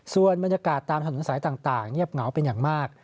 ส่วนบรรยากาศตามถนนสายต่างเงียบเหงาเป็นอย่างมาก